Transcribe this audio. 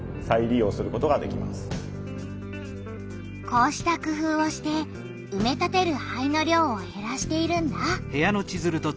こうした工夫をしてうめ立てる灰の量をへらしているんだ。